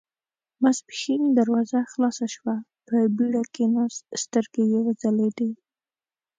ماسپښين دروازه خلاصه شوه، په بېړه کېناست، سترګې يې وځلېدې.